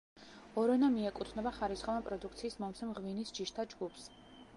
ორონა მიეკუთვნება ხარისხოვან პროდუქციის მომცემ ღვინის ჯიშთა ჯგუფს.